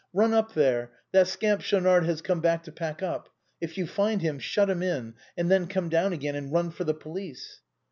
Eun up there, that scamp Schaunard has come back to pack up. If you find him, shut him in, and then come down again and run for the police."